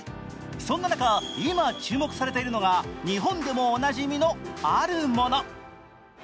そんな中、今注目されているのが日本でもおなじみのあるもの。